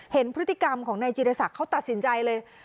เห็นพฤติกรรมของนายจิรศักดิ์เขาตัดสินใจเลย